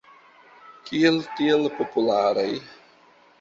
Kial tiel popularaj?